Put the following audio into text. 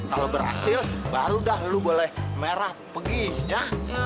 kalau berhasil baru dah lo boleh merah pergi ya